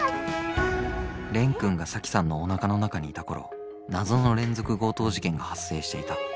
蓮くんが沙樹さんのおなかの中にいた頃謎の連続強盗事件が発生していた。